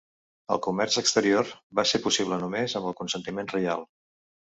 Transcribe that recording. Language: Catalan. El comerç exterior va ser possible només amb el consentiment reial.